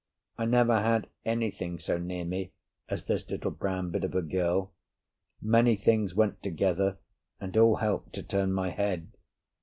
I never had anything so near me as this little brown bit of a girl. Many things went together, and all helped to turn my head.